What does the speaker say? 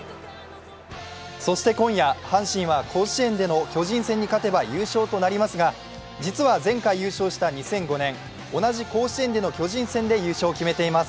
そして今夜、阪神は甲子園での巨人戦に勝てば優勝となりますが実は前回優勝した２００５年、同じ甲子園での巨人戦で優勝を決めています。